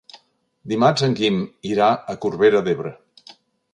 Dimarts en Guim irà a Corbera d'Ebre.